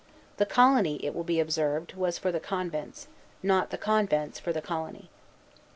The colony, it will be observed, was for the convents, not the convents for the colony.